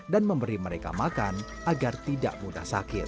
dan memberi mereka makan agar tidak mudah sakit